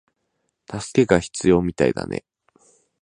助けが必要みたいだね